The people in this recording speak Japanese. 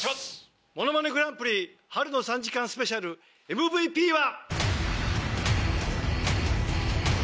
『ものまねグランプリ』春の３時間スペシャルＭＶＰは。